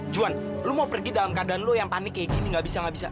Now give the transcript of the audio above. juan lo mau pergi dalam keadaan lo yang panik kayak gini gak bisa nggak bisa